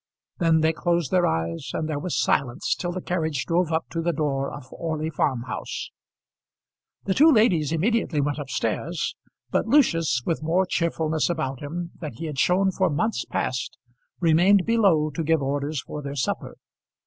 Then they closed their eyes and there was silence till the carriage drove up to the door of Orley Farm House. The two ladies immediately went up stairs, but Lucius, with more cheerfulness about him than he had shown for months past, remained below to give orders for their supper.